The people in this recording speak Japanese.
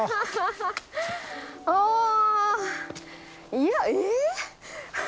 いやえっ！